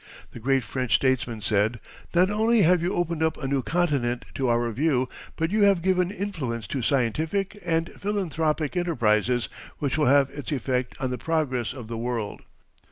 The great French statesman said: "Not only have you opened up a new continent to our view, but you have given influence to scientific and philanthropic enterprises which will have its effect on the progress of the world.